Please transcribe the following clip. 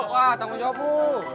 wah tanggung jawab lo